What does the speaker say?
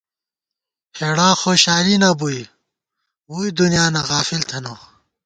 ہېڑا خوشالی نہ بُوئی، ووئی دُنیانہ غافل تھنہ